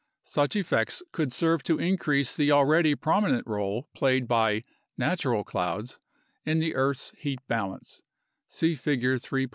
Such effects could serve to increase the already prominent role played by (natural) clouds in the earth's heat balance (see Figure 3.